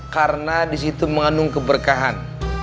karena di situ mengandung keberkahan